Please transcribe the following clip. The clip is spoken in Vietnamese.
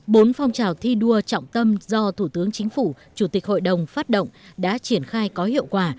bốn phong trào thi đua trọng tâm do thủ tướng chính phủ chủ tịch hội đồng phát động đã triển khai có hiệu quả